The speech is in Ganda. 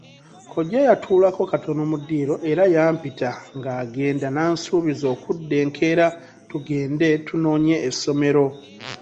Kkojja yatuulako katono mu ddiiro era yampita ng'agenda n'ansuubiza okudda enkeera tugende tunoonye essomero.